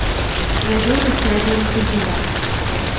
يَجُولُ التَّاجِرُ فِي الْبِلادِ.